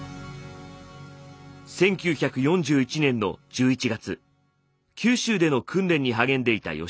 １９４１年の１１月九州での訓練に励んでいた吉岡さん。